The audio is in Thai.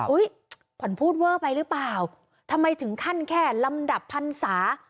ขวัญพูดเวอร์ไปหรือเปล่าทำไมถึงขั้นแค่ลำดับพันศา